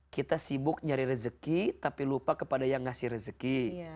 kita sibuk nyari rezeki tapi lupa kepada yang ngasih rezeki